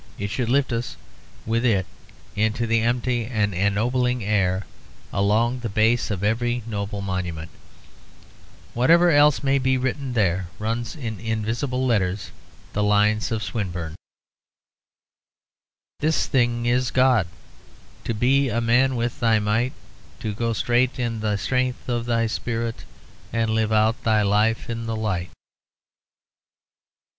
It should lift us with it into the empty and ennobling air. Along the base of every noble monument, whatever else may be written there, runs in invisible letters the lines of Swinburne: 'This thing is God: To be man with thy might, To go straight in the strength of thy spirit, and live out thy life in the light.'